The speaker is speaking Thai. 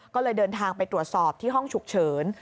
ก็เลยเดินทางไปตรวจสอบที่ห้องฉุกเฉิน